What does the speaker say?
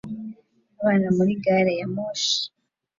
Abana muri gari ya moshi